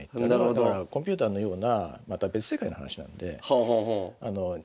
だからコンピューターのようなまた別世界の話なんで。